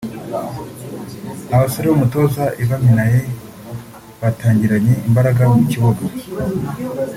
Abasore b’umutoza Ivan Minnaert batangiranye imbaraga mu kibuga